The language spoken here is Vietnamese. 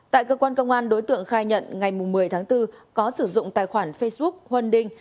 tại cơ quan công an đối tượng khai nhận ngày một mươi tháng bốn có sử dụng tài khoản facebook hunding